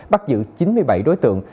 bắt giữ chín mươi bảy đối tượng